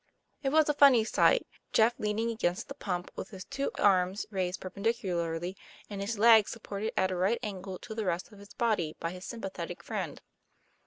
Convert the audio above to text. It was a funny sight Jeff leaning against the pump with his two arms raised perpendicularly, and his leg supported at a right angle to the rest of his body by his sympathetic friend.